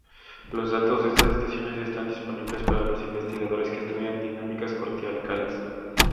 Los datos de estas estaciones están disponibles para los investigadores que estudian dinámicas corticales.